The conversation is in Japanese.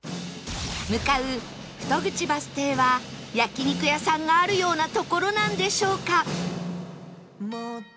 向かう富戸口バス停は焼肉屋さんがあるような所なんでしょうか？